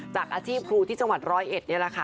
จากอาชีพครูที่จังหวัดร้อยเอ็ดนี่แหละค่ะ